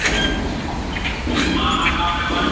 مثبت ملګري ستاسي پر ژوند ښه اغېز کوي.